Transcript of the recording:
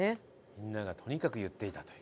みんながとにかく言っていたという。